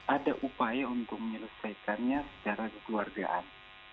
ada upaya untuk menyelesaikannya secara kekeluargaan